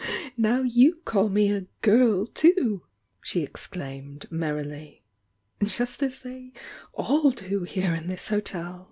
"Ah, now you call me a 'girl,' too!" she exclaimed, merrily. "Just as they all do here in this hotel!